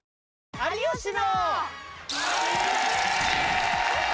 有吉の。